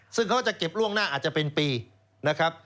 ซึ่งเขาจะเก็บล่วงหน้าอาจจะเป็นปีนะครับ